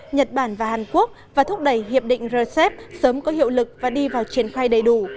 nhật bản và hàn quốc và thúc đẩy hiệp định rcep sớm có hiệu lực và đi vào triển khai đầy đủ